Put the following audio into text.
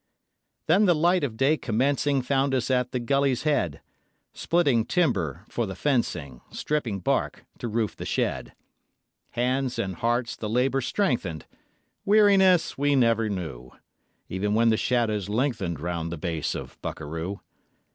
Then the light of day commencing Found us at the gully's head, Splitting timber for the fencing, Stripping bark to roof the shed. Hands and hearts the labour strengthened; Weariness we never knew, Even when the shadows lengthened Round the base of Bukaroo.